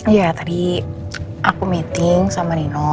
iya tadi aku meeting sama nino